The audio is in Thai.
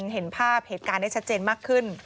เห็นภาพเหตุการณ์ได้ชัดเจนมากขึ้น